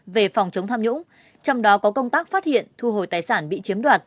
về phòng chống tham nhũng trong đó có công tác phát hiện thu hồi tài sản bị chiếm đoạt